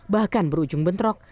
bahkan berujung bentrok